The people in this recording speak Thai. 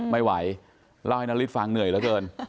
ไม่ไหวเล่าให้นาริสฟังเหนื่อยเหลือเกิน